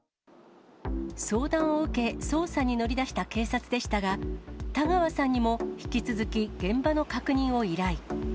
相談を受け、捜査に乗り出した警察でしたが、田川さんにも引き続き現場の確認を依頼。